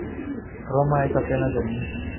Roma es apenas el inicio.